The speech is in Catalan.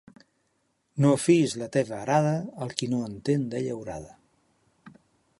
No fiïs la teva arada al qui no entén de llaurada.